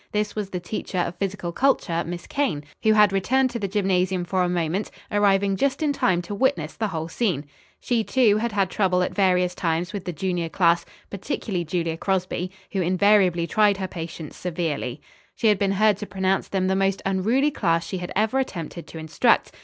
This was the teacher of physical culture, Miss Kane, who had returned to the gymnasium for a moment, arriving just in time to witness the whole scene. She, too, had had trouble at various times with the junior class, particularly Julia Crosby, who invariably tried her patience severely. She had been heard to pronounce them the most unruly class she had ever attempted to instruct.